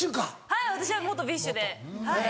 はい私は元ＢｉＳＨで。